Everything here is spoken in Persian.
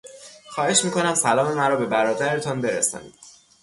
خواهش میکنم سلام مرا به برادرتان برسانید.